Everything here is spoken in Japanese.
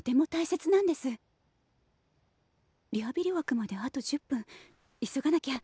リハビリ枠まであと１０分急がなきゃ。